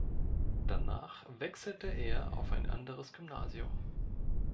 Danach wechselte er auf ein anderes Gymnasium.